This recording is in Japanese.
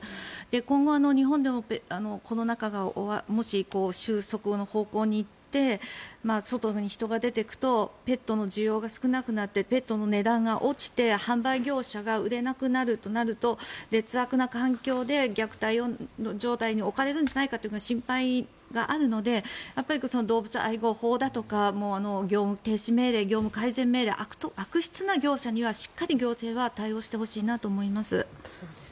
今後、日本でもコロナ禍がもし収束の方向に行って外に人が出ていくとペットの需要が少なくなってペットの値段が落ちて販売業者が売れなくなるとなると劣悪な環境で虐待の状態に置かれるんじゃないかという心配があるので動物愛護法だとか業務停止命令、業務改善命令悪質な業者にはしっかり行政は対応してほしいなと思います。